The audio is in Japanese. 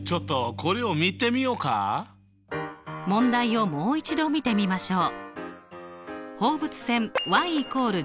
ちょっと問題をもう一度見てみましょう。